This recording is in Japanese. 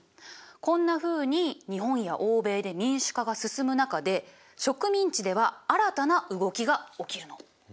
こんなふうに日本や欧米で民主化が進む中で植民地では新たな動きが起きるの。